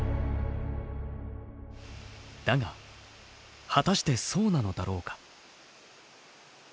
だが果たしてそうなのだろうか？